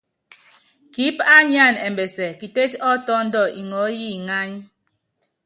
Kiíp á nyáan ɛmbɛsɛ, kitét ɔ́ tɔ́ndɔ ŋɔɔ́ yi ŋány.